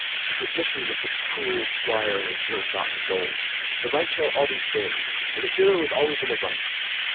To perdition with the crool 'Squire and his ill gotten gold—the right shall always win, and a hero is always in the right!